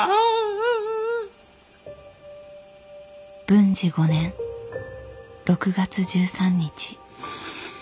文治５年６月１３日。